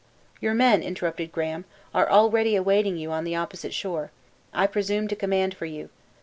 "Your men," interrupted Graham, "are already awaiting you on the opposite shore. I presumed to command for you.